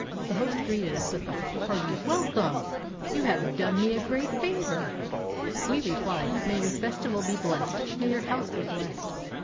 The host greeted us with a hearty "Welcome! You have done me 439 PERSIA a great favor." We replied, "May your festival be blessed, may ^' our house be blessed!